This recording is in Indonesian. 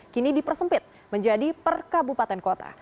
kini dipersempit menjadi per kabupaten kota